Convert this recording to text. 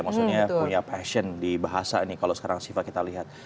maksudnya punya passion di bahasa ini kalau sekarang siva kita lihat